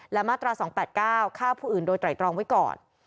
และมาตรา๒๘๙ฆ่าผู้อื่นโดยไตรตรองไว้ก่อน